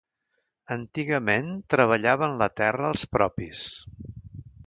Antigament treballaven la terra els propis.